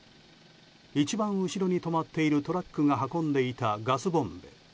一番後ろに止まっているトラックが運んでいたガスボンベ。